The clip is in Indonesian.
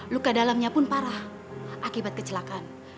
luka dalamnya pun parah akibat kecelakaan